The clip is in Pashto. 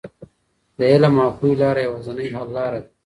د علم او پوهې لاره یوازینۍ حل لاره ده.